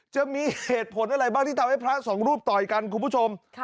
จะมีเหตุผลอะไรบ้างที่ทำให้พระสองรูปต่อยกันคุณผู้ชม